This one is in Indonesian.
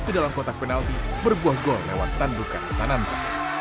ke dalam kotak penalti berbuah gol lewat tandukan sananta